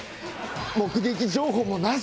目撃情報もなし。